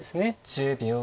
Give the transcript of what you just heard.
１０秒。